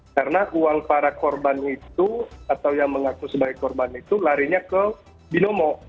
karena uang para korban itu atau yang mengaku sebagai korban itu larinya ke binomo